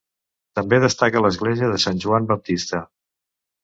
També destaca l'església de Sant Joan Baptista.